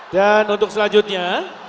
dan untuk selanjutnya